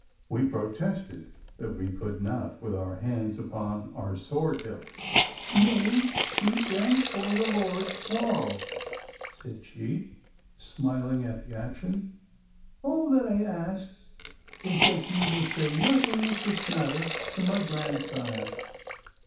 We protested that we could not, with our hands upon our sword hilts. 'Nay, keep them for the Lord's quarrel,' said she, smiling at the action. 'All that I ask is that ye will say nothing if this matter to my grandsire.